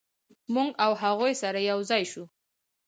موږ او هغوی سره یو ځای شوو.